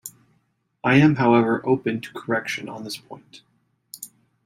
I am however open to correction on this point.